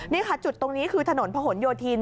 นี่ค่ะจุดตรงนี้คือถนนพะหนโยธิน